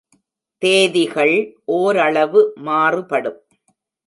தேதிகள் ஓரளவு மாறுபடும்.